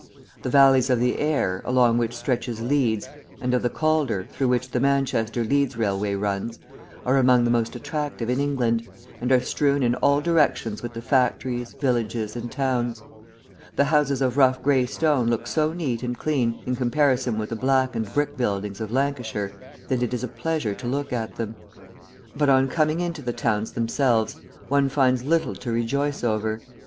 The valleys of the Aire, along which stretches Leeds, and of the Calder, through which the Manchester Leeds railway runs, are among the most attractive in England, and are strewn in all directions with the factories, villages, and towns. The houses of rough grey stone look so neat and clean in comparison with the blackened brick buildings of Lancashire, that it is a pleasure to look at them. But on coming into the towns themselves, one finds little to rejoice over.